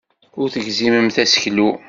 Ur tegzimemt aseklu.